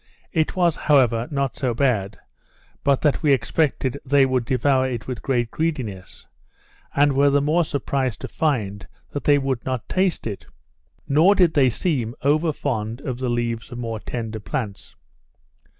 It was, however not so bad, but that we expected they would devour it with great greediness, and were the more surprised to find that they would not taste it; nor did they seem over fond of the leaves of more tender plants.